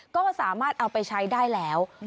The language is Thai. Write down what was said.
ก็สามารถเอาไปใช้ได้แล้ว